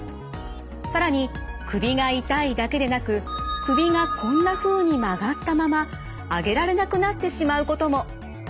更に首が痛いだけでなく首がこんなふうに曲がったまま上げられなくなってしまうことも。